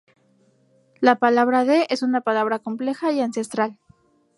La palabra "de" 德 es una palabra compleja y ancestral.